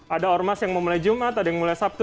ada ormas yang memulai jumat ada yang mulai sabtu